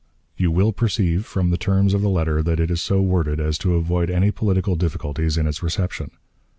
"You will perceive from the terms of the letter that it is so worded as to avoid any political difficulties in its reception.